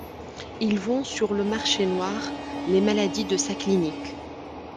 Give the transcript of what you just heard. Il vend sur le marché noir les maladies de sa clinique.